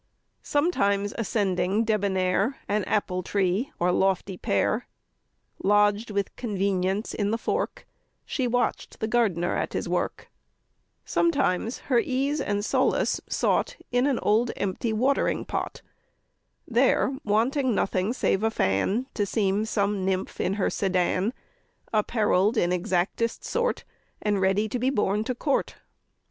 Sometimes ascending, debonnair, An apple tree, or lofty pear, Lodged with convenience in the fork, She watch'd the gardener at his work; Sometimes her ease and solace sought In an old empty watering pot: There, wanting nothing save a fan, To seem some nymph in her sedan Apparell'd in exactest sort, And ready to be borne to court.